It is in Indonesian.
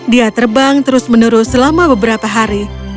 dia terbang terus menerus selama beberapa hari